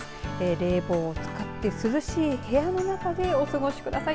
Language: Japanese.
冷房を使って涼しい部屋の中でお過ごしください。